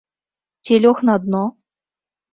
Ці лёг на дно?